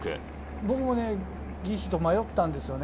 僕も犠飛と迷ったんですよね。